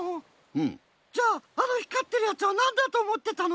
じゃああの光ってるやつはなんだとおもってたの？